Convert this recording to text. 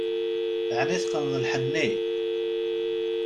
Ɛni teqqneḍ lḥenni?